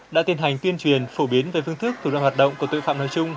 đã tiến hành tuyên truyền phổ biến về phương thức thủ đoạn hoạt động của tội phạm nói chung